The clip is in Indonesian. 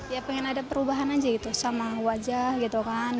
ya pengen ada perubahan aja gitu sama wajah gitu kan